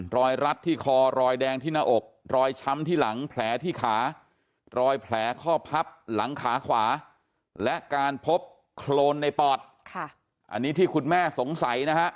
รอยรัดที่คอรอยแดงที่หน้าอกรอยช้ำที่หลังแผลที่ขา